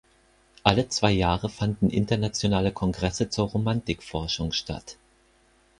Alle zwei Jahre fanden internationale Kongresse zur Romantik-Forschung statt.